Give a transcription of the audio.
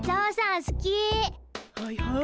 はいはい。